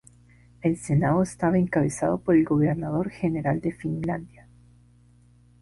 El Senado estaba encabezado por el Gobernador General de Finlandia.